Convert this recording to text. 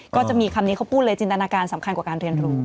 ก็จะมีคำนี้เขาพูดเลยจินตนาการสำคัญกว่าการเรียนรู้